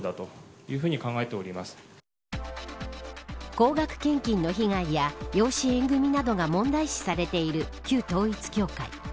高額献金の被害が養子縁組などが問題視されている旧統一教会。